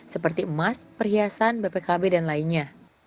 seperti emas perhiasan bpkb dan lainnya